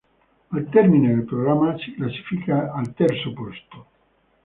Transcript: Al termine del programma si classifica al terzo posto.